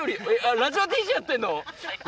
ラジオＤＪやってるの？